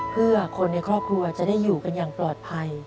เพื่อคนในครอบครัวจะได้อยู่กันอย่างปลอดภัย